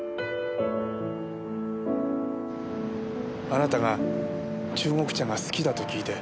あなたが中国茶が好きだと聞いて。